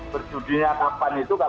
perjudinya kapan itu